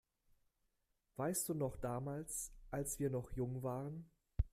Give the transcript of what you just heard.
Weißt du noch damals, als wir noch jung waren?